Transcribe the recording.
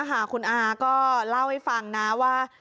คุณอาก็เล่าให้ฟังนะว่า